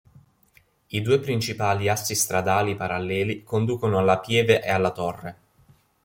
I due principali assi stradali paralleli conducono alla pieve e alla torre.